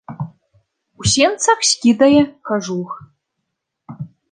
У сенцах скідае кажух.